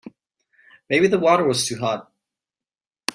Maybe the water was too hot.